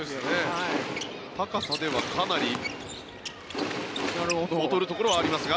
高さではかなり劣るところはありますが。